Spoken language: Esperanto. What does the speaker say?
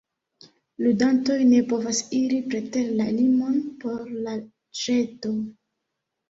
Ludantoj ne povas iri preter la limon por la ĵeto.